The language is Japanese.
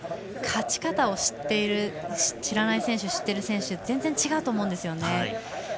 勝ち方を知らない選手と知っている選手は全然違うと思うんですよね。